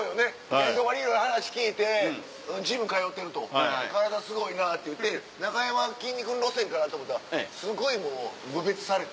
ケンコバにいろいろ話聞いて「ジム通ってる」と「体すごいな」っていうてなかやまきんに君路線かなと思うたらすごい侮蔑されて。